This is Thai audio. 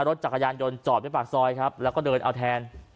รถจักรยานยนต์จอดไว้ปากซอยครับแล้วก็เดินเอาแทน